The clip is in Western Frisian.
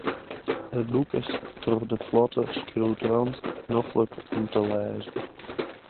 It boek is troch de flotte skriuwtrant noflik om te lêzen.